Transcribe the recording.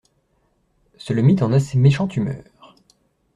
Ce le mit en assez méchante humeur.